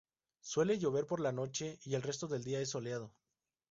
Suele llover por la noche y el resto del día es soleado.